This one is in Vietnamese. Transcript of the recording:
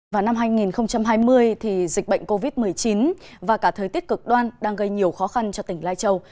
vào năm hai nghìn hai mươi dịch bệnh covid một mươi chín và cả thời tiết cực đoan đang gây nhiều khó khăn cho tỉnh lai châu